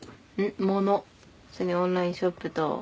物それにオンラインショップと。